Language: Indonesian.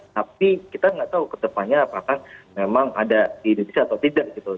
tapi kita nggak tahu ke depannya apakah memang ada di indonesia atau tidak gitu